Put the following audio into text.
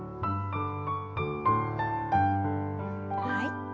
はい。